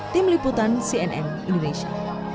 tim liputan cnn indonesia